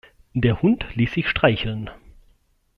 Der Hund ließ sich streicheln.